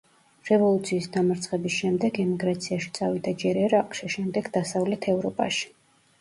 რევოლუციის დამარცხების შემდეგ ემიგრაციაში წავიდა ჯერ ერაყში, შემდეგ დასავლეთ ევროპაში.